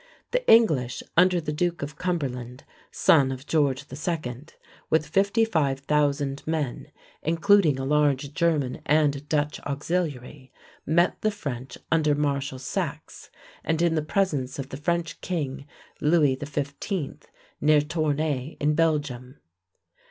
The English under the Duke of Cumberland, son of George II., with 55,000 men including a large German and Dutch auxiliary, met the French under Marshal Saxe, and in the presence of the French king Louis XV., near Tournai in Belgium.